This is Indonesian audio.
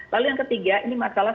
lalu yang ketiga ini masalah